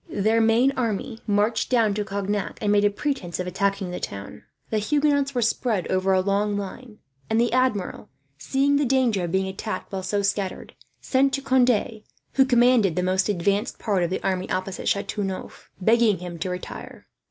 Their main army marched down to Cognac, and made a pretence of attacking the town. The Huguenots were spread over a long line; and the Admiral, seeing the danger of being attacked while so scattered, sent to Conde, who commanded the most advanced part of the army opposite Chateau Neuf, begging him to retire.